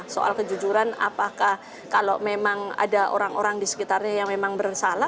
soal kejujuran apakah kalau memang ada orang orang di sekitarnya yang memang bersalah